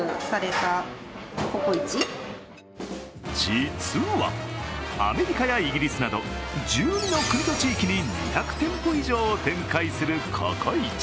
実はアメリカやイギリスなど、１２の国と地域に２００店舗以上を展開するココイチ。